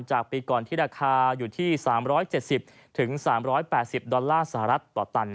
จากปีก่อนที่ราคาอยู่ที่๓๗๐๓๘๐ดอลลาร์สหรัฐต่อตัน